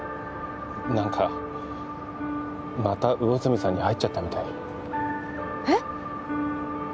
何かまた魚住さんに入っちゃったみたいえっ？